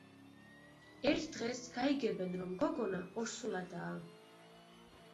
ერთ დღეს, გაიგებენ რომ გოგონა ორსულადაა.